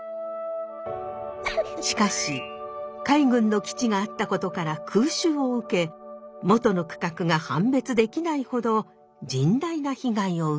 しかし海軍の基地があったことから空襲を受け元の区画が判別できないほど甚大な被害を受けたのです。